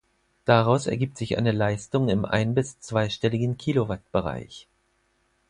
Daraus ergibt sich eine Leistung im ein- bis zweistelligen kW-Bereich.